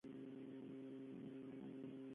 Avui, el president espanyol ha rectificat.